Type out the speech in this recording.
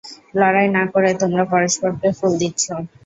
লড়াই না করে, তোমরা পরস্পরকে ফুল দিচ্ছো।